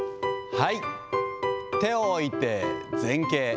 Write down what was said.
はい、手を置いて前傾。